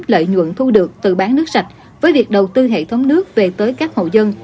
lợi nhuận thu được từ bán nước sạch với việc đầu tư hệ thống nước về tới các hộ dân